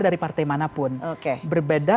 dari partai manapun berbeda